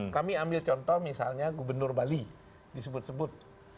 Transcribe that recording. kami ambil contoh misalnya gubernur bali disebut sebut